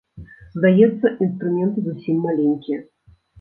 Здаецца, інструменты зусім маленькія.